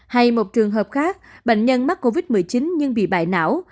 hay một trường hợp khác bệnh nhân mắc covid một mươi chín nhưng bị bắt